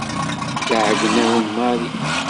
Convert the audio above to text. Tɛeyyen-awen Mary.